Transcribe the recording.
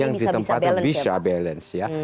yang ditempati bisa balance ya